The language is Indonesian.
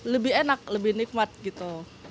lebih enak lebih nikmat gitu